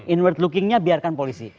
inward lookingnya biarkan polisi